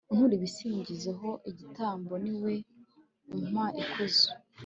untura ibisingizo ho igitambo, ni we umpa ikuzo